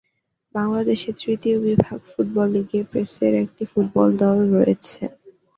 বাংলাদেশের তৃতীয় বিভাগ ফুটবল লিগে প্রেসের একটি ফুটবল দল রয়েছে।